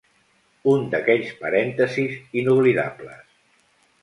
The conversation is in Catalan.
Un d'aquells parèntesis inoblidables.